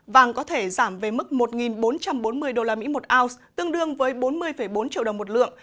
vàng có thể giảm về mức một bốn trăm bốn mươi usd một ounce tương đương với bốn mươi bốn triệu đồng một lượng